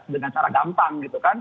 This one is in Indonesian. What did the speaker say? dengan cara gampang gitu kan